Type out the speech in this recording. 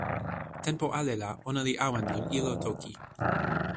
tenpo ale la ona li awen lon ilo toki.